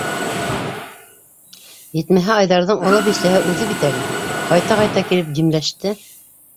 Етмәһә, Айҙарҙың оло бисәһе үҙе бит әле, ҡайта-ҡайта килеп, димләште.